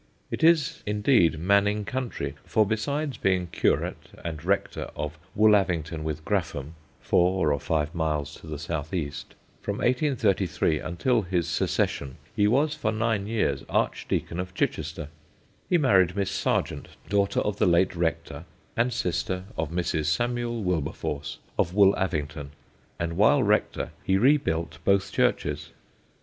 It is, indeed, Manning country, for besides being curate and rector of Woollavington with Graffham (four or five miles to the south east) from 1833 until his secession, he was for nine years Archdeacon of Chichester; he married Miss Sargent, daughter of the late rector and sister of Mrs. Samuel Wilberforce of Woollavington; and while rector, he rebuilt both churches.